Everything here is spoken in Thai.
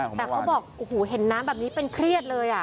แต่เขาบอกโอ้โหเห็นน้ำแบบนี้เป็นเครียดเลย